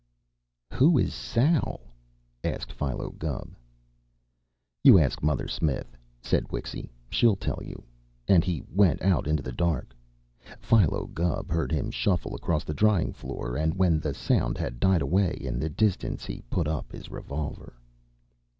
"Who is Sal?" asked Philo Gubb. "You ask Mother Smith," said Wixy. "She'll tell you." And he went out into the dark. Philo Gubb heard him shuffle across the drying floor, and when the sound had died away in the distance he put up his revolver.